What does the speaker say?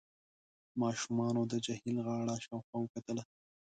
ماشومانو د جهيل غاړه شاوخوا وکتله.